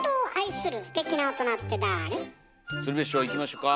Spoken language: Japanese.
鶴瓶師匠いきましょか。